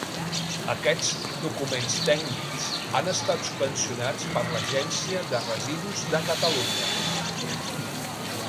Aquests documents tècnics han estat subvencionats per l'Agència de Residus de Catalunya.